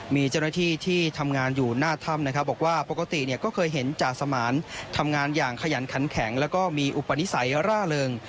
มีเจ้าหน้าที่ที่ทำงานอยู่หน้าถ้ำนะครับบอกว่าปกติเนี่ยก็เคยเห็นจ่าสมานทำงานอย่างขยันขันแข็งแล้วก็มีอุปนิสัยร่าเริง